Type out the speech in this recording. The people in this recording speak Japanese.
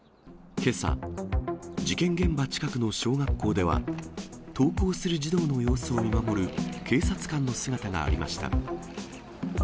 けさ、事件現場近くの小学校では、登校する児童の様子を見守る警察官の姿がありました。